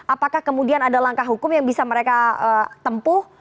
apakah kemudian ada langkah hukum yang bisa mereka tempuh